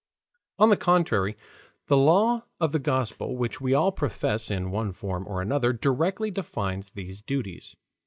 On the contrary, the law of the Gospel which we all profess in one form or another directly defines these duties.